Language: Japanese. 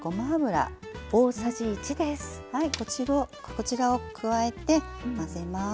こちらを加えて混ぜます。